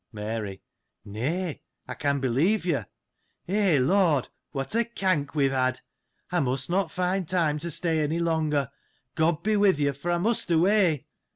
Mary. — Nay, I can believe you. Eh, Lord ; what a cank' we have had ! I must not find time to stay any longer. God be with you ! for I must away.